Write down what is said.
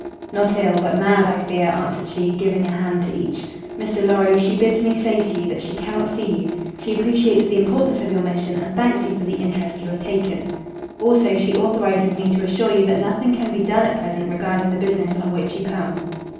"Not ill, but mad, I fear," answered she, giving a hand to each. "Mr. Lorry, she bids me say to you that she cannot see you. She appreciates the importance of your mission and thanks you for the interest you have taken. "Also, she authorizes me to assure you that nothing can be done at present regarding the business on which you come."